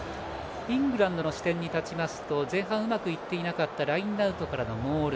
イングランドの視点に立つと前半うまくいっていなかったラインアウトからのモール。